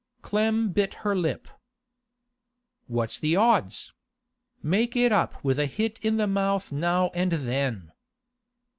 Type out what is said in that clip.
Clem bit her lip. 'What's the odds? Make it up with a hit in the mouth now and then.